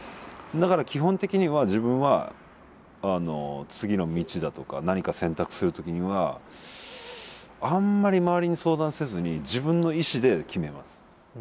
だから基本的には自分は次の道だとか何か選択する時にはあんまり周りに相談せずに自分の意志で決めます。